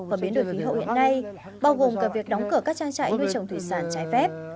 và biến đổi khí hậu hiện nay bao gồm cả việc đóng cửa các trang trại nuôi trồng thủy sản trái phép